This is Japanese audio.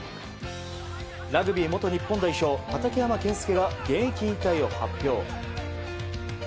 ラグビー元日本代表畠山健介が現役引退を発表。